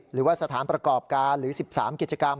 หรือว่าสถานประกอบการหรือ๑๓กิจกรรม